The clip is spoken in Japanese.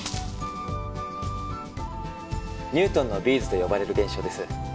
「ニュートンのビーズ」と呼ばれる現象です。